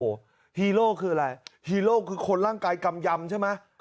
โอ้โหฮีโร่คืออะไรฮีโร่คือคนร่างกายกำยำใช่ไหม